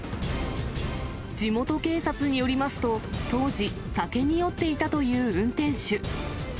地元警察によりますと、当時、酒に酔っていたという運転手。